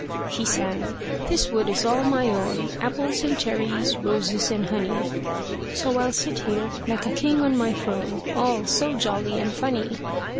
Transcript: He sang, "This wood is all my own, Apples and cherries, roses and honey; So here I'll sit, like a king on my throne, All so jolly and funny."